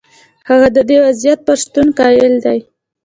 هغه د دې وضعیت پر شتون قایل دی.